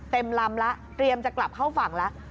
ลำแล้วเตรียมจะกลับเข้าฝั่งแล้ว